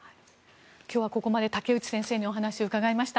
今日はここまで武内先生にお話を伺いました。